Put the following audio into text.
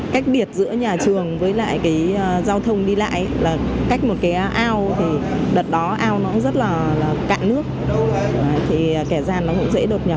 cách biệt giữa nhà trường với lại cái giao thông đi lại là cách một cái ao thì đợt đó ao nó cũng rất là cạn nước thì kẻ gian nó cũng dễ đột nhập